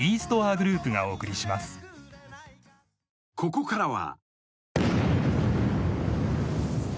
［ここからは］